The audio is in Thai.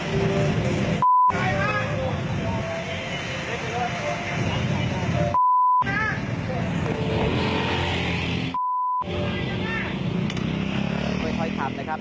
เวยถอยถามนะครับ